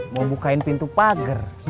mau bukain pintu pagar